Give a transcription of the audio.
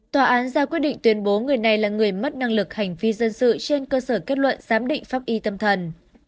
tòa án ra quyết định tuyên bố người này là người mất năng lực hành vi dân sự trên cơ sở kết luận giám định pháp y tâm thần